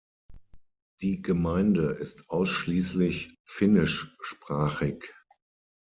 Die Gemeinde ist ausschließlich finnischsprachig.